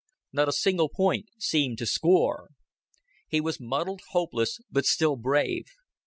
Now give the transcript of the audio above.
Not a single point seemed to score. He was muddled, hopeless, but still brave.